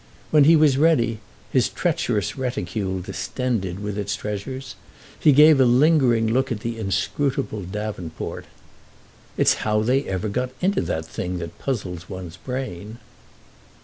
When he was ready, his treacherous reticule distended with its treasures, he gave a lingering look at the inscrutable davenport. "It's how they ever got into that thing that puzzles one's brain!"